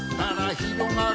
ひろがる！